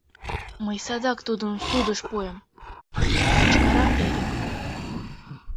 — Мый садак тудым судыш пуэм! — кычкыра Эрик.